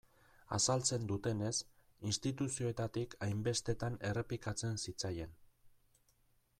Azaltzen dutenez, instituzioetatik hainbestetan errepikatzen zitzaien.